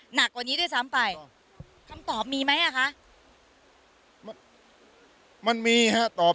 หนักกว่านี้ด้วยซ้ำไปคำตอบมีไหมอ่ะคะมันมีฮะตอบ